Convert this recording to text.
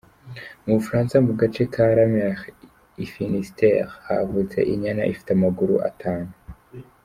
Mu Bufaransa mu gace ka Lameur i Finistère havutse inyana ifite amaguru atanu.